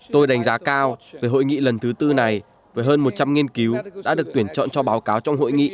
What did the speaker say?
tôi đánh giá cao về hội nghị lần thứ tư này với hơn một trăm linh nghiên cứu đã được tuyển chọn cho báo cáo trong hội nghị